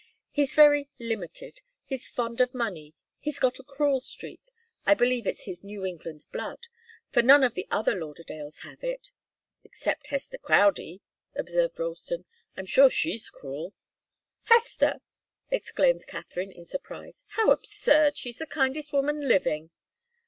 He's very limited. He's fond of money. He's got a cruel streak I believe it's his New England blood, for none of the other Lauderdales have it " "Except Hester Crowdie," observed Ralston. "I'm sure she's cruel." "Hester!" exclaimed Katharine, in surprise. "How absurd! She's the kindest woman living."